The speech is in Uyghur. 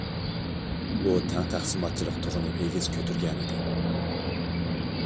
ئۇ، تەڭ تەقسىماتچىلىق تۇغىنى ئېگىز كۆتۈرگەنىدى.